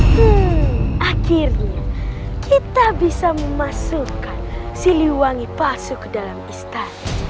hmm akhirnya kita bisa memasukkan siliwangi palsu ke dalam istana